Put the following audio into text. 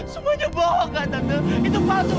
semuanya bohong kan tante itu palsu kan